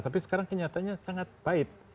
tapi sekarang kenyataannya sangat pahit